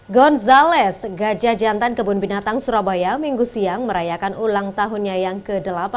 gonzales gajah jantan kebun binatang surabaya minggu siang merayakan ulang tahunnya yang ke delapan